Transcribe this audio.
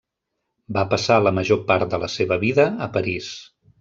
Va passar la major part de la seva vida a París.